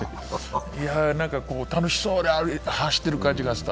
楽しそうに走ってる感じがした。